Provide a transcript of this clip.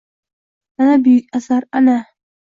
Ana buyuk asar, ana!